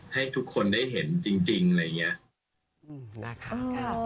ให้ทุกคนได้เห็นจริงอะไรอย่างนี้นะคะ